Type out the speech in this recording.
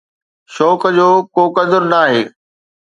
شوق جو ڪو قدر ناهي.